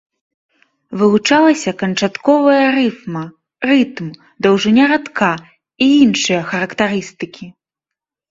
Вылучалася канчатковая рыфма, рытм, даўжыня радка і іншыя характарыстыкі.